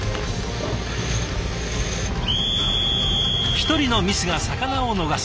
一人のミスが魚を逃す。